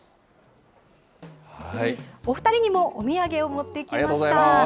お２人にもお土産を持ってきました。